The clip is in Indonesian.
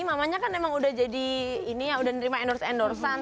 mamanya kan emang udah jadi ini ya udah nerima endorse endorsean